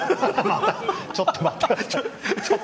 ちょっと待って。